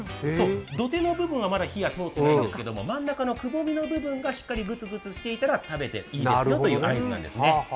土手の部分はまだ火は通っていませんが、真ん中のくぼみの部分がしっかりグツグツしていたら食べていいという合図なんですね。